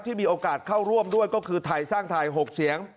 มีโอกาสเข้าร่วมด้วยก็คือไทยสร้างไทย๖เสียง